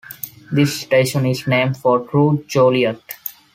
This station is named for rue Joliette.